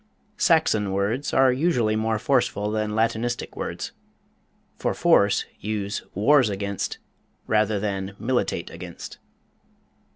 SAXON words are usually more forceful than Latinistic words for force, use wars against rather than militate against.